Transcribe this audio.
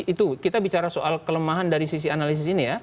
itu kita bicara soal kelemahan dari sisi analisis ini ya